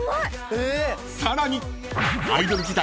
［さらに］